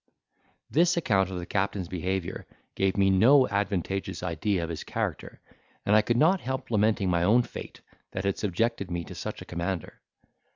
This account of the captain's behaviour gave me no advantageous idea of his character; and I could not help lamenting my own fate, that had subjected me to such a commander.